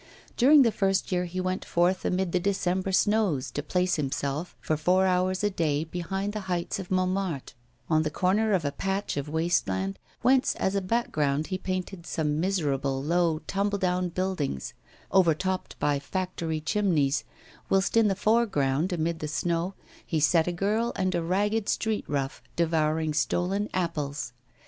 During the first year he went forth amid the December snows to place himself for four hours a day behind the heights of Montmartre, at the corner of a patch of waste land whence as a background he painted some miserable, low, tumble down buildings, overtopped by factory chimneys, whilst in the foreground, amidst the snow, he set a girl and a ragged street rough devouring stolen apples.